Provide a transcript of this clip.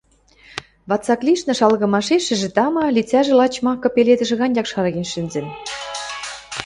Вацак лишнӹ шалгымашешӹжӹ, тама, лицӓжӹ лач макы пеледӹш ганьок якшарген шӹнзӹн.